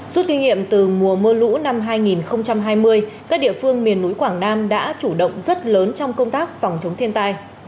suốt kinh nghiệm từ mùa mưa lũ năm hai nghìn hai mươi các địa phương miền núi quảng nam đã chủ động rất lớn trong công tác phòng chống thiên tai